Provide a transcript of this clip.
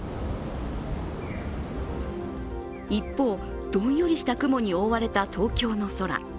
一方、どんよりした雲に覆われた東京の空。